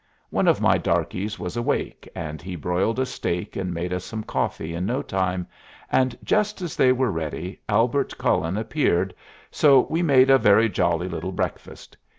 One of my darkies was awake, and he broiled a steak and made us some coffee in no time, and just as they were ready Albert Cullen appeared, so we made a very jolly little breakfast.